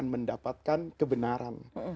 akan mendapatkan kebenaran